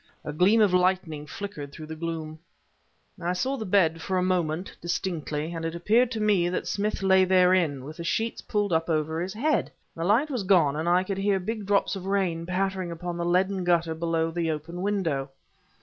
A gleam of lightning flickered through the gloom. I saw the bed for a moment, distinctly, and it appeared to me that Smith lay therein, with the sheets pulled up over his head. The light was gone, and I could hear big drops of rain pattering upon the leaden gutter below the open window.